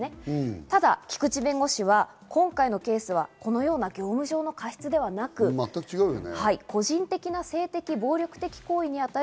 ただ菊地弁護士は今回のケースはこのような業務上の過失ではなく、個人的な性的・暴力的行為に当たる